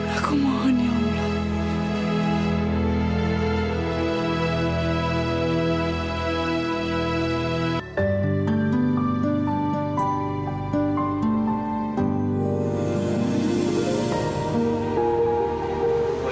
aku mohon ya allah